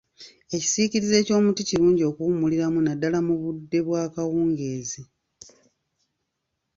Ekisiikirize ky’omuti kirungi okuwummuliramu naddala mu budde bw'akawungeezi.